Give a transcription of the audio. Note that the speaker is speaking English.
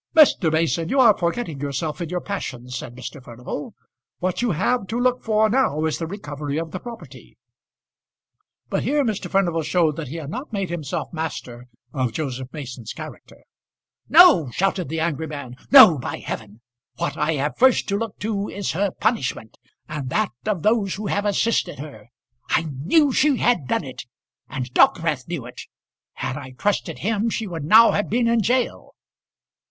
"Mr. Mason, you are forgetting yourself in your passion," said Mr. Furnival. "What you have to look for now is the recovery of the property." But here Mr. Furnival showed that he had not made himself master of Joseph Mason's character. "No," shouted the angry man; "no, by heaven. What I have first to look to is her punishment, and that of those who have assisted her. I knew she had done it, and Dockwrath knew it. Had I trusted him, she would now have been in gaol."